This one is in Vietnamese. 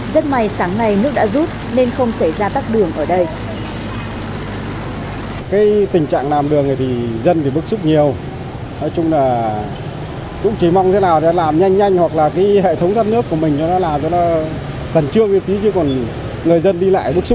rất may sáng nay nước đã rút nên không xảy ra tắc đường ở đây